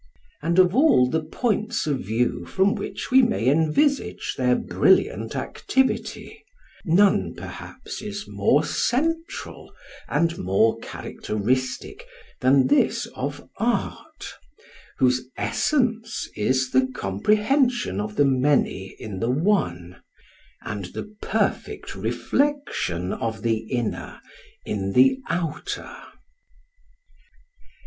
And of all the points of view from which we may envisage their brilliant activity none perhaps is more central and more characteristic than this of art, whose essence is the comprehension of the many in the one, and the perfect reflection of the inner in the outer.